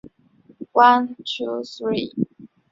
他死后和妻儿合葬在密歇根大学校园内。